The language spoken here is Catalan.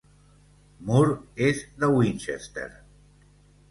Moore és de Winchester.